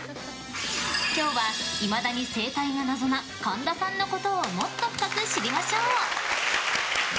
今日はいまだに生態が謎な神田さんのことをもっと深く知りましょう！